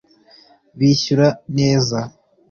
bishyura neza